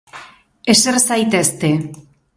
Eser zaitezte.